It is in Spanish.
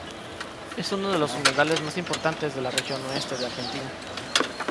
Es uno de los humedales más importantes de la región oeste de Argentina.